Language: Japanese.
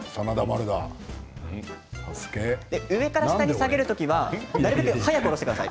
上から下に下げるときは、なるべく早く下ろしてください。